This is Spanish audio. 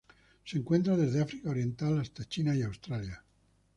Se encuentra desde África Oriental hasta China y Australia.